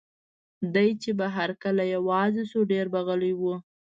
دی چې به هر کله یوازې شو، ډېر به غلی و.